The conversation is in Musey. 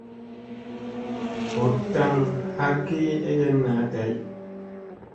Hut taŋ ha ki egen naa day.